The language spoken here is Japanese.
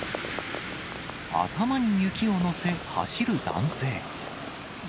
頭に雪を載せ走る男性。